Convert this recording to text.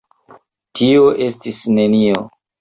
Tio estis nenio!